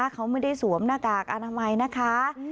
เขาไม่ได้สวมหน้ากากอนามัยนะคะ